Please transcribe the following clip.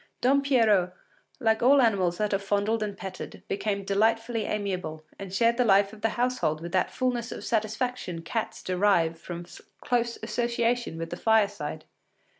Don Pierrot, like all animals that are fondled and petted, became delightfully amiable, and shared the life of the household with that fulness of satisfaction cats derive from close association with the fireside.